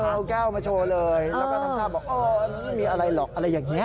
เอาแก้วมาโชว์เลยแล้วก็ทำท่าบอกอ๋อไม่มีอะไรหรอกอะไรอย่างนี้